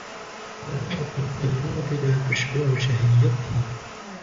رائحة الكلمات لا تشبع شهيتي.